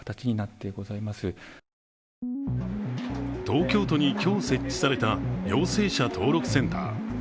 東京都に今日設置された陽性者登録センター。